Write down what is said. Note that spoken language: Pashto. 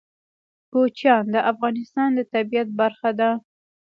کوچیان د افغانستان د طبیعت برخه ده.